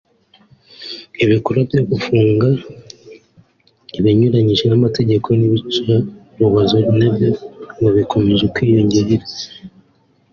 Ibikorwa byo gufunga binyuranyije n’amategeko n’iyicarubozo nabyo ngo bikomeje kwiyongera